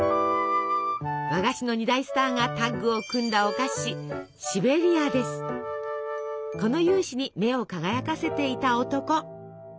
和菓子の二大スターがタッグを組んだお菓子この雄姿に目を輝かせていた男。